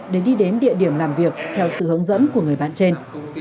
để đi đến địa điểm làm việc theo sự hướng dẫn của người bạn trên